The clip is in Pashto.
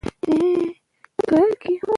افغانستان په لوگر غني دی.